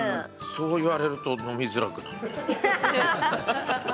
そう言われると飲みづらくなるな。